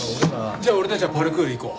じゃあ俺たちはパルクール行こう。